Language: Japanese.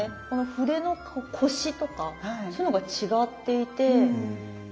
この筆のコシとかそういうのが違っていて。